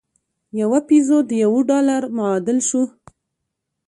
یو پیزو د یوه ډالر معادل شو.